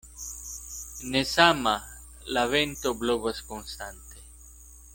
Ne sama la vento blovas konstante.